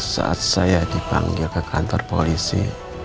saat saya dipanggil ke kantor polisi